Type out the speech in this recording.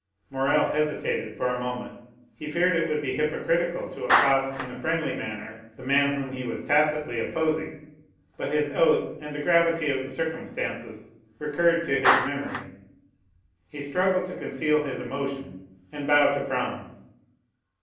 Morrel hesitated for a moment; he feared it would be hypocritical to accost in a friendly manner the man whom he was tacitly opposing, but his oath and the gravity of the circumstances recurred to his memory; he struggled to conceal his emotion and bowed to Franz.